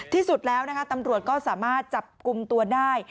ที่สุดแล้วนะคะตำรวจก็สามารถจับกลุ่มตัวได้